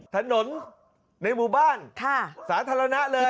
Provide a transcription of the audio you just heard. ถนนในหมู่บ้านสาธารณะเลย